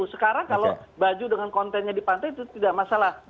sekarang kalau baju dengan kontennya di pantai itu tidak masalah